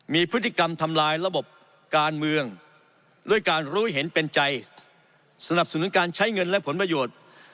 มีพฤติกรรมทำลายระบบการเมืองด้วยการรู้เห็นเป็นใจสนับสนุนการใช้เงินและผลประโยชน์